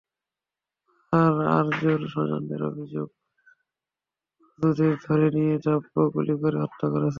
তবে আরজুর স্বজনদের অভিযোগ, আরজুকে ধরে নিয়ে র্যাব গুলি করে হত্যা করেছে।